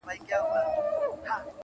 پوهېږم چي زما نوم به دي له یاده وي وتلی.!